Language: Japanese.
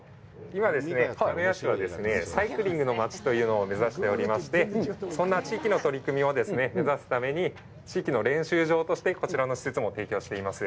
今、鹿屋市は“サイクリングの町”というのを目指しておりまして、そんな地域の取り組みを目指すために地域の練習場としてこちらの施設も提供しています。